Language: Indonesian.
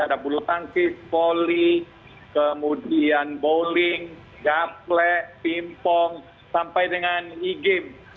ada bulu tangkis poli kemudian bowling gaplek pimpong sampai dengan e game